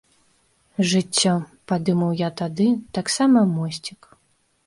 Жыццё, падумаў я тады, таксама мосцік.